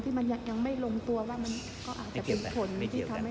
ที่ยังไม่ลงตัวว่าจะเป็นผลที่ทำให้เกิด